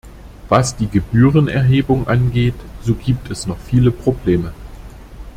Was die Gebührenerhebung angeht, so gibt es noch viele Probleme.